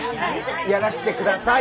やらせてください。